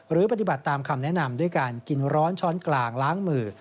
ปฏิบัติตามคำแนะนำด้วยการกินร้อนช้อนกลางล้างมือ